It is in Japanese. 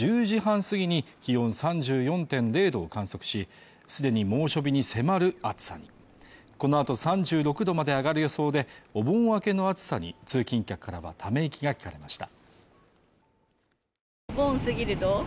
東京都心では午前１０時半過ぎに気温３４．０度を観測しすでに猛暑日に迫る暑さにこのあと３６度まで上がる予想でお盆明けの暑さに通勤客からはため息が聞かれました